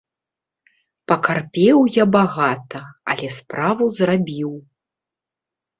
Пакарпеў я багата, але справу зрабіў.